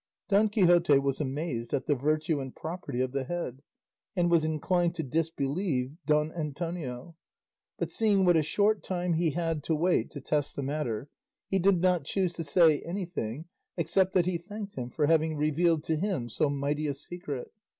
Don Quixote was amazed at the virtue and property of the head, and was inclined to disbelieve Don Antonio; but seeing what a short time he had to wait to test the matter, he did not choose to say anything except that he thanked him for having revealed to him so mighty a secret.